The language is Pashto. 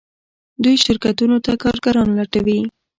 دوی شرکتونو ته کارګران لټوي.